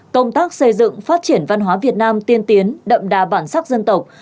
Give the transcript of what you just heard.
công tác xây dựng phát triển văn hóa việt nam tiên tiến đậm đà bản sắc dân tộc